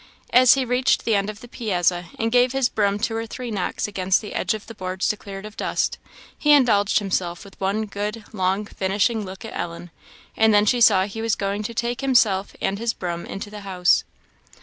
As he reached the end of the piazza, and gave his broom two or three knocks against the edge of the boards to clear it of dust, he indulged himself with one good, long, finishing look at Ellen, and then she saw he was going to take himself and his broom into the house.